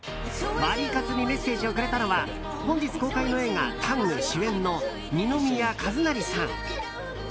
ワリカツにメッセージをくれたのは本日公開の映画「ＴＡＮＧタング」主演の二宮和也さん。